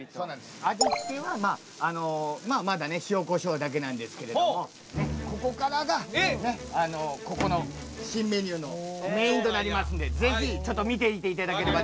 味付けはまだね塩・コショウだけなんですけれどもここからがここの新メニューのメインとなりますんでぜひちょっと見ていていただければなと思います。